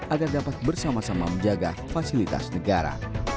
agar dapat bersama sama menjaga fasilitas negara